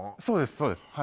そうです